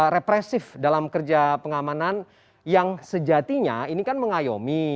represif dalam kerja pengamanan yang sejatinya ini kan mengayomi